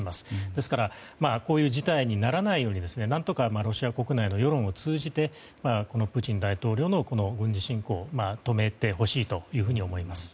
ですから、こういう事態にならないように何とかロシア国内の世論を通じてこのプーチン大統領の軍事侵攻を止めてほしいと思います。